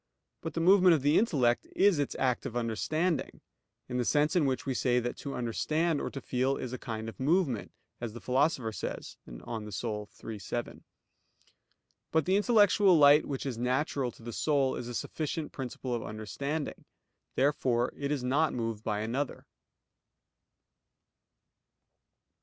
But the movement of the intellect is its act of understanding; in the sense in which we say that to understand or to feel is a kind of movement, as the Philosopher says (De Anima iii, 7). But the intellectual light which is natural to the soul, is a sufficient principle of understanding. Therefore it is not moved by another.